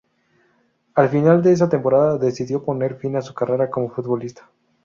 Al final de esa temporada decidió poner fin a su carrera como futbolista.